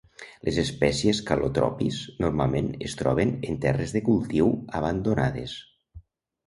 Les espècies "calotropis" normalment es troben en terres de cultiu abandonades.